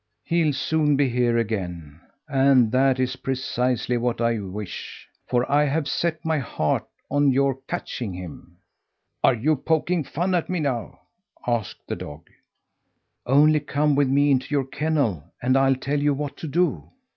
"He'll soon be here again, and that is precisely what I wish, for I have set my heart on your catching him." "Are you poking fun at me now?" asked the dog. "Only come with me into your kennel, and I'll tell you what to do."